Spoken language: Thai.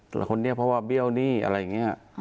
ตัวคนนี้เพราะว่าเบี้ยวหนี้อะไรแบบนี้